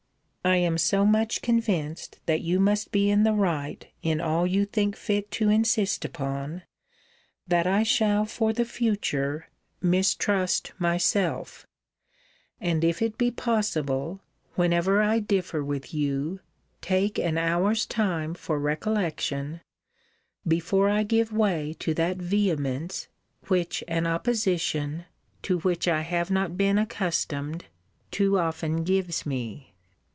I am so much convinced that you must be in the right in all you think fit to insist upon, that I shall for the future mistrust myself; and, if it be possible, whenever I differ with you, take an hour's time for recollection, before I give way to that vehemence, which an opposition, to which I have not been accustomed, too often gives me.